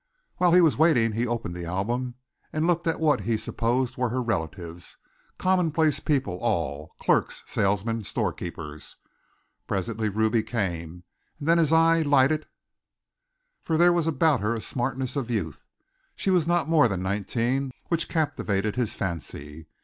While he was waiting he opened the album and looked at what he supposed were her relatives commonplace people, all clerks, salesmen, store keepers. Presently Ruby came, and then his eye lighted, for there was about her a smartness of youth she was not more than nineteen which captivated his fancy.